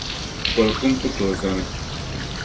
Koli’ kuŋ ku tooi zani.